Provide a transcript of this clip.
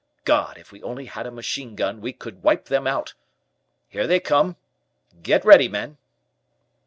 God, if we only had a machine gun, we could wipe them out! Here they come, get ready, men."